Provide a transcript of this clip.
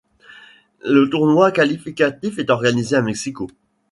Le tournoi qualificatif est organisé à Mexico.